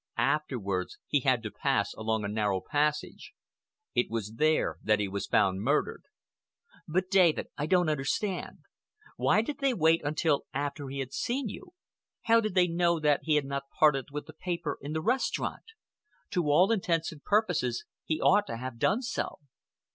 Afterwards, he had to pass along a narrow passage. It was there that he was found murdered." "But, David, I don't understand! Why did they wait until after he had seen you? How did they know that he had not parted with the paper in the restaurant? To all intents and purposes he ought to have done so."